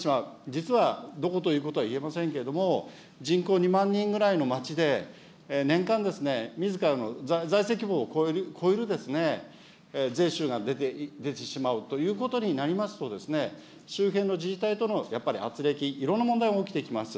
実はどこということは言えませんけれども、人口２万人ぐらいの町で、年間ですね、みずからの財政規模を超える税収が出てしまうということになりますと、周辺の自治体とのやっぱりあつれき、いろんな問題が起きてきます。